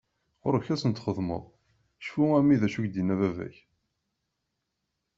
Ɣur-k ad tent-xedmeḍ!! Cfu a mmi d acu i d ak-yenna baba-k.